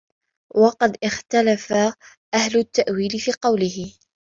وَقَدْ اخْتَلَفَ أَهْلُ التَّأْوِيلِ فِي قَوْله تَعَالَى